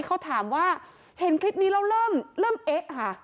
เขาถามว่าเห็นคลิปนี้แล้วเริ่มเอ๊ะค่ะ